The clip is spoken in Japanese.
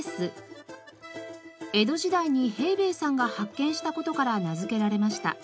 江戸時代に平兵衛さんが発見した事から名付けられました。